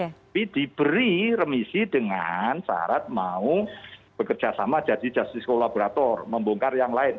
tapi diberi remisi dengan syarat mau bekerja sama jadi justice collaborator membongkar yang lain